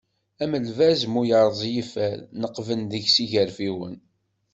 Am lbaz mu yerreẓ yifer, neqqben deg-s igerfiwen.